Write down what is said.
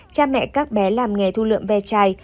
cha mẹ các bé làm nghề thu lượm ve chai